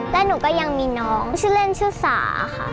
และหนูก็ยังมีน้องชื่อเล่นชื่อสาค่ะ